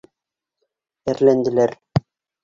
Әрләнделәр.